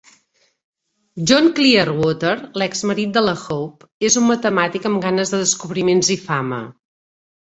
John Clearwater, l'exmarit de la Hope, és un matemàtic amb ganes de descobriments i fama.